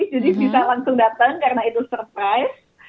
jadi bisa langsung datang karena itu surprise